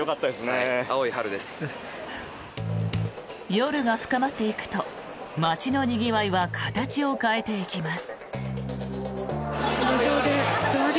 夜が深まっていくと街のにぎわいは形を変えていきます。